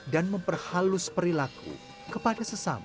dan memperhalus perilaku kepada sesama